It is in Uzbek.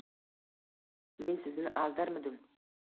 — Men sizni aldarmidim.